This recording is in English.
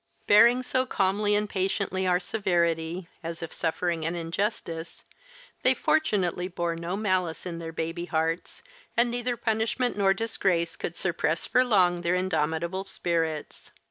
Bearing so calmly and patiently our severity, as if suffering an injustice, they fortunately, bore no malice in their baby hearts and neither punishment nor disgrace could suppress for long their indomitable spirits.